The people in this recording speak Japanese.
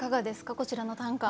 こちらの短歌。